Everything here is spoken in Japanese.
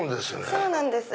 そうなんです。